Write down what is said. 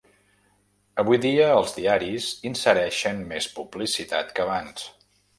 Avui dia els diaris insereixen més publicitat que abans.